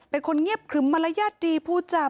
เป็นคนเงียบครึ้มมารยาทดีพูดจาบ